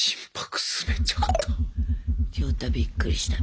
亮太びっくりしたべ。